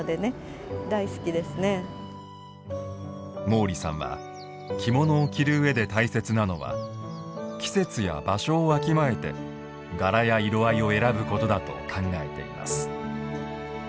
毛利さんは、着物を着る上で大切なのは、季節や場所をわきまえて、柄や色合いを選ぶことだと考えています。